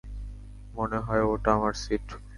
মনে হয় ওটা আমার সিট।